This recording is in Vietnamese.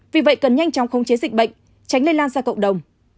vì vậy cần nhanh chóng khống chế dịch bệnh tránh lây lan ra cộng đồng